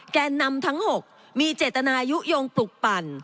แกนนำทั้ง๖มีเจตนายุโยงปลุกปั่น